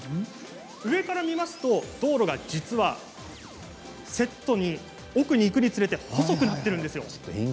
上から見ますと道路が実はセット、奥に行くにつれて細くなっているんですよ。